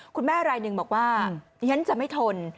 คุณแม่รายหนึ่งบอกว่าฉันจะไม่ทน